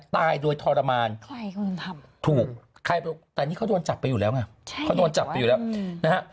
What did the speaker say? ตายโดยทรมานถูกแต่นี่เขาโดนจับไปอยู่แล้วไงของนักจับไปอยู่แล้วนะฮะ